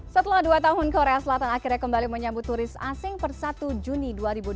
setelah dua tahun korea selatan akhirnya kembali menyambut turis asing per satu juni dua ribu dua puluh